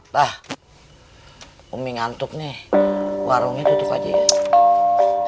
lah umi ngantuk nih warungnya tutup aja ya